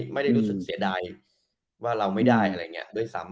ไม่ได้รู้สึกเสียดายว่าเราไม่ได้อะไรอย่างนี้ด้วยซ้ำ